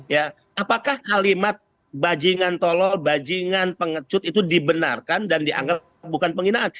ya apakah kalimat bajingan tolol bajingan pengecut itu dibenarkan dan dianggap bukan penghinaan